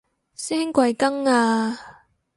師兄貴庚啊